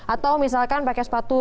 atau misalkan pakai sepatu